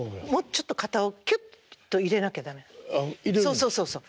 そうそうそうそう。